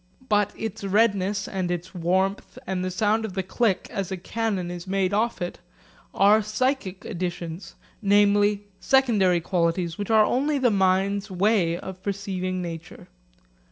But its redness and its warmth, and the sound of the click as a cannon is made off it are psychic additions, namely, secondary qualities which are only the mind's way of perceiving nature.